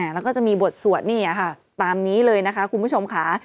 แล้วก็จะมีบทสวดนี่ค่ะตามนี้เลยนะคะคุณผู้ชมค่ะ